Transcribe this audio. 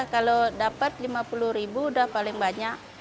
kalau dapat rp lima puluh ribu udah paling banyak